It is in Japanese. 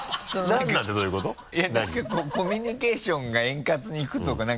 コミュニケーションが円滑にいくとかなんか。